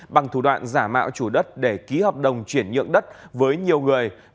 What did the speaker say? bằng thủ đoạn giả mạo chủ đất để ký hợp đồng chuyển nhượng đất với nhiều người